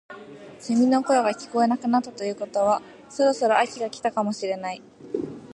セミの声が聞こえなくなったということはそろそろ秋が来たのかもしれない